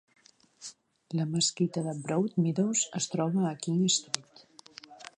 La mesquita de Broadmeadows es troba a King Street.